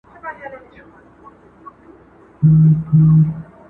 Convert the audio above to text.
ته یې لور د شراب، زه مست زوی د بنګ یم,